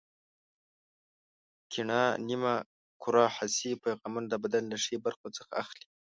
کیڼه نیمه کره حسي پیغامونه د بدن له ښي برخو څخه اخلي.